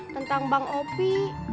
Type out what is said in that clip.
tentang bang ovi